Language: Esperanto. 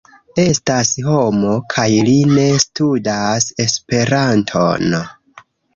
Estas homo, kaj li ne studas Esperanton.